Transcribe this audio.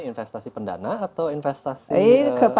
investasi pendana atau investasi